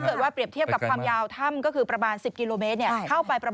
ถ้าเกิดว่าเปรียบเทียบกับความยาวถ้ำก็คือประมาณ๑๐กิโลเมตร